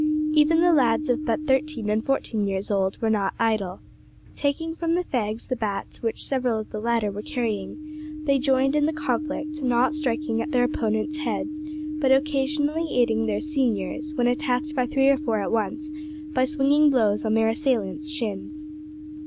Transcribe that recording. Even the lads of but thirteen and fourteen years old were not idle. Taking from the fags the bats which several of the latter were carrying, they joined in the conflict, not striking at their opponents' heads, but occasionally aiding their seniors, when attacked by three or four at once, by swinging blows on their assailant's shins.